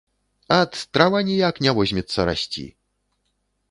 Ат, трава ніяк не возьмецца расці.